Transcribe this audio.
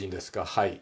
「はい」。